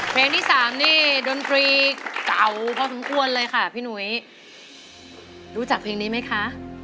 เพลงที่สามนี่ดนตรีเก่าพอสมควรเลยค่ะพี่หนุ้ยรู้จักเพลงนี้ไหมคะ